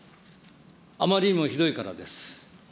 あまりにもひどいからです。